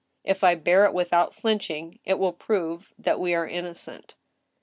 If I bear it without flinching it will prove that we are innocent."